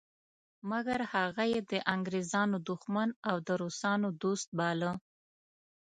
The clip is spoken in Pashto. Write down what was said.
مګر هغه یې د انګریزانو دښمن او د روسانو دوست باله.